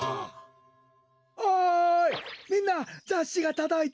おいみんなざっしがとどいたぞ！